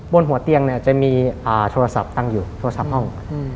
บนหัวเตียงจะมีโทรศัพท์ตั้งอยู่โทรศัพท์ห้อง